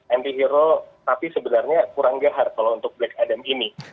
anti hero tapi sebenarnya kurang gahar kalau untuk black adam ini